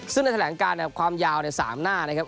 ซึ่งในแถลงการเนี่ยครับความยาวในสามหน้านะครับ